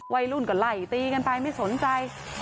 วัยรุ่นก็ไล่ตีกันไปไม่สนใจ